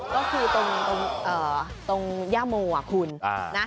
ก็คือตรงย่าโมอ่ะคุณนะ